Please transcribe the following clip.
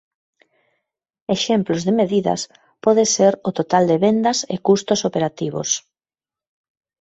Exemplos de medidas pode ser o total de vendas e custos operativos.